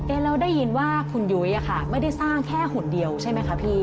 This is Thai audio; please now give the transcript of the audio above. แล้วได้ยินว่าคุณยุ้ยไม่ได้สร้างแค่หุ่นเดียวใช่ไหมคะพี่